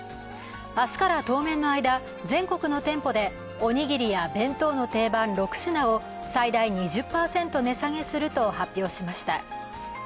明日から当面の間、全国の店舗でおにぎりや弁当の定番６品を最大２０％値下げすると発表しました。